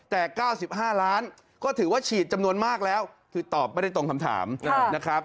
แต่๙๕ล้านก็ถือว่าฉีดจำนวนมากแล้วคือตอบไม่ได้ตรงคำถามนะครับ